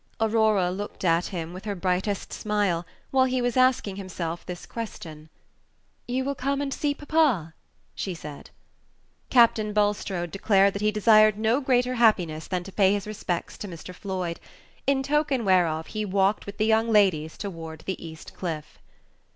Aurora looked at him with her brightest smile while he was asking himself this question. "You will come and see papa?" she said. Captain Bulstrode declared that he desired no greater happiness than to pay his respects to Mr. Floyd, in token whereof he walked with the young ladies toward the East Cliff.